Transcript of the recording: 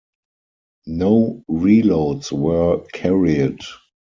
No reloads were carried.